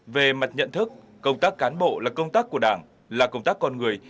về mặt nhận thức công tác cán bộ là công tác của đảng là công tác con người